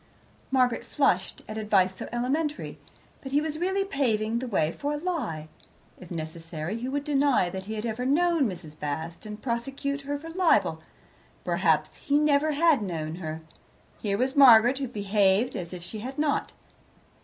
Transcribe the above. Margaret flushed at advice so elementary, but he was really paving the way for a lie. If necessary he would deny that he had ever known Mrs. Bast, and prosecute her for libel. Perhaps he never had known her. Here was Margaret, who behaved as if he had not.